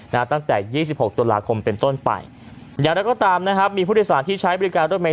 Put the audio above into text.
ตั้งแต่ยี่สิบหกตุลาคมเป็นต้นไปอย่างไรก็ตามนะครับมีผู้โดยสารที่ใช้บริการรถเมย